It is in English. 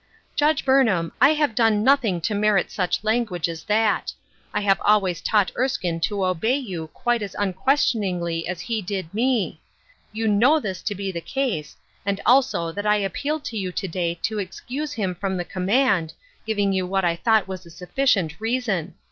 " Judge Burnham, I have done nothing to merit such language as that. I have always taught Erskine to obey you quite as unquestioningly as he did me. You know this to be the case, and also that I appealed to you to day to excuse him from the command, giving you what I thought was a sufficient reason.